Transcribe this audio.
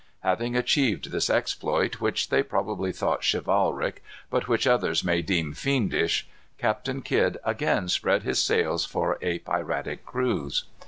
Having achieved this exploit, which they probably thought chivalric, but which others may deem fiendish, Captain Kidd again spread his sails for a piratic cruise.